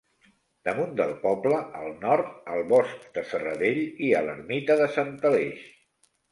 Damunt del poble, al nord, al bosc de Serradell, hi ha l'ermita de sant Aleix.